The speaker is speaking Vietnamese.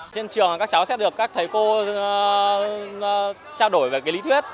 trên trường các cháu sẽ được các thầy cô trao đổi về lý thuyết